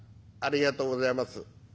「ありがとうございます。